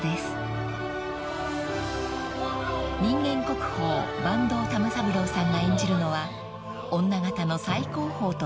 ［人間国宝坂東玉三郎さんが演じるのは女形の最高峰といわれる役揚巻］